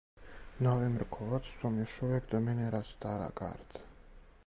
Новим руководством још увек доминира стара гарда.